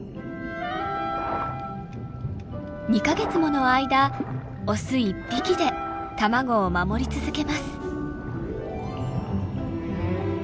２か月もの間オス一匹で卵を守り続けます。